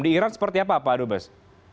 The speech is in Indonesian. di iran seperti apa pak dubes